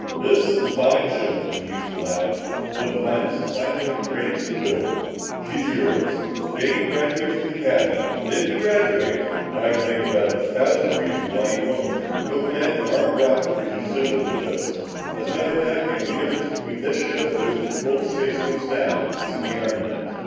"This is a fine ship," he mused aloud. "One of the finest that scientific brains can build. She's yours. The day you graduate from the Academy, IF you graduate, and I can think of about a thousand reasons why you won't, you'll command an armed rocket cruiser similar to this. As a matter of fact, the only difference between this ship and those that patrol the space lanes now is in the armament."